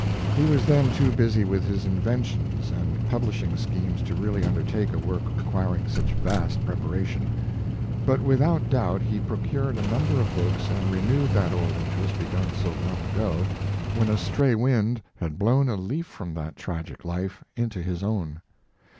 He was then too busy with his inventions and publishing schemes to really undertake a work requiring such vast preparation; but without doubt he procured a number of books and renewed that old interest begun so long ago when a stray wind had blown a leaf from that tragic life into his own.